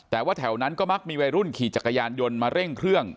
แต่ว่าแถวนั้นก็มักมีวัยรุ่นขี่จักรยานยนต์มาเร่งเครื่อง